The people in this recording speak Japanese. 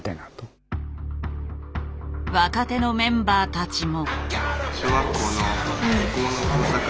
若手のメンバーたちも。